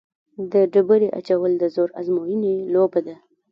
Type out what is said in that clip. د ډبرې اچول د زور ازموینې لوبه ده.